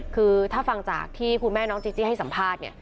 คือถ้าฟังจากที่คุณแม่น้องจีจี้ให้สัมภาษณ์เนี่ย